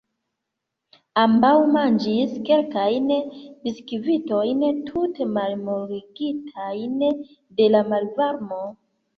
Ambaŭ manĝis kelkajn biskvitojn tute malmoligitajn de la malvarmo.